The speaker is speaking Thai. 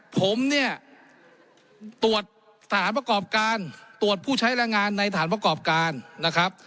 ผมเนี่ยตรวจสถานประกอบการตรวจผู้ใช้แรงงานในฐานประกอบการนะครับ